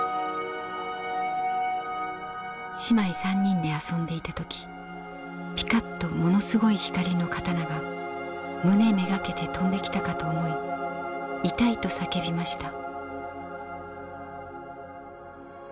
「姉妹３人で遊んでいた時ピカッとものすごい光の刀が胸目がけて飛んできたかと思いイタイと叫びました」。